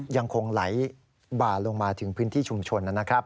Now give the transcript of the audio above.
ยังคงไหลบ่าลงมาถึงพื้นที่ชุมชนนะครับ